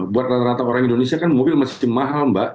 buat rata rata orang indonesia kan mobil masih mahal mbak